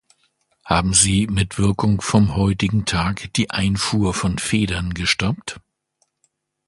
Haben Sie mit Wirkung vom heutigen Tag die Einfuhr von Federn gestoppt?